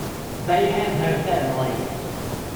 They had no family.